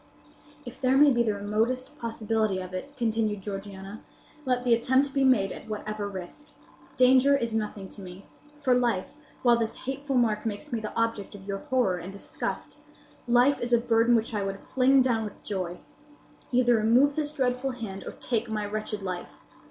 "If there be the remotest possibility of it," continued Georgiana, "let the attempt be made at whatever risk. Danger is nothing to me; for life, while this hateful mark makes me the object of your horror and disgust,—life is a burden which I would fling down with joy. Either remove this dreadful hand, or take my wretched life!